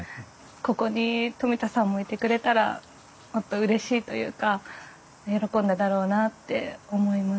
ここに冨田さんもいてくれたらもっとうれしいというか喜んだだろうなって思います。